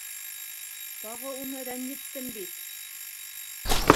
—Тағы уны рәнйеттем бит!